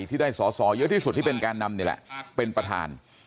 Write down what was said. ที่ได้สอสอเยอะที่สุดที่เป็นแกนนำนี่แหละเป็นประธาน